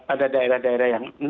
ada daerah daerah yang